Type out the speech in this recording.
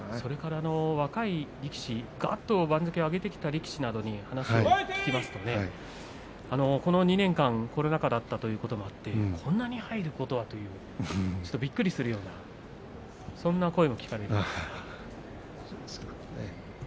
若い力士がっと番付を上げてきた力士などに聞きますとこの２年間、コロナ禍だったということもあってこんなに入ることは、とちょっとびっくりするようなそんな声も聞かれます。